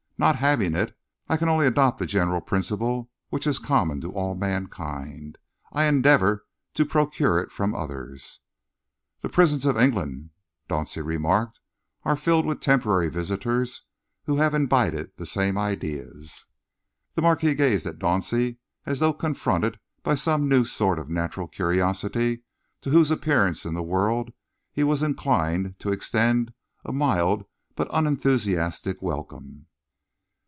Not having it, I can only adopt the general principle which is common to all mankind. I endeavour to procure it from others." "The prisons of England," Dauncey remarked, "are filled with temporary visitors who have imbibed the same ideas." The Marquis gazed at Dauncey as though confronted by some new sort of natural curiosity to whose appearance in the world he was inclined to extend a mild but unenthusiastic welcome.